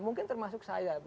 mungkin termasuk saya